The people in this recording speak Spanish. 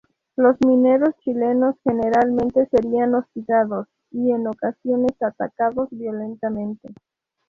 Los mineros chilenos generalmente serían hostigados y, en ocasiones, atacados violentamente.